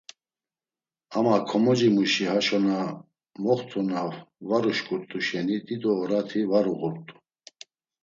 Ama komocimuşi haşo na moxt̆u na var uşǩurt̆u şeni dido orati var uğurt̆u.